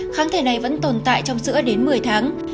kháng thể này vẫn tồn tại trong sữa đến một mươi tháng